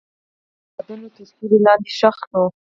محبت مې د بادونو تر سیوري لاندې ښخ شو.